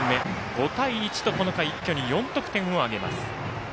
５対１と、この回一挙に４得点を挙げます。